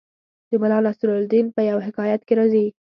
د ملا نصرالدین په یوه حکایت کې راځي